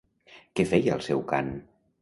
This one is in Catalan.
Què feia el seu cant?